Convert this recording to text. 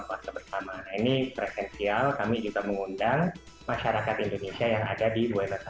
puasa bersama nah ini presensial kami juga mengundang masyarakat indonesia yang ada di wna